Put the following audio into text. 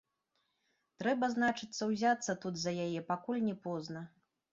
Трэба, значыцца, узяцца тут за яе, пакуль не позна.